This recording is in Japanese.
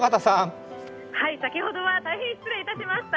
先ほどは大変失礼いたしました。